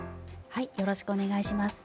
よろしくお願いします。